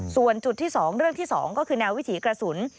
ส่วนจุดที่๒เรื่องที่๒ก็คือแนววิถีกระสุน